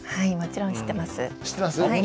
知ってます？